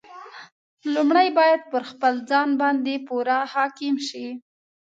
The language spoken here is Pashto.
لومړی باید پر خپل ځان باندې پوره حاکم شي.